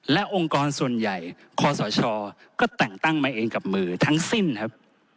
และองค์กรส่วนใหญ่คอสชก็แต่งตั้งมาเองกับมือทั้งสิ้นครับ